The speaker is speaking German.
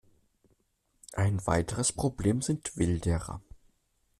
Ein weiteres Problem sind Wilderer.